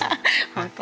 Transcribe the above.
本当？